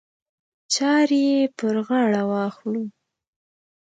چارې یې پر غاړه واخلو.